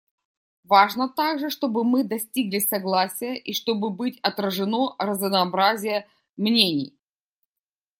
Важно также, чтобы мы достигли согласия и чтобы быть отражено разнообразие мнений.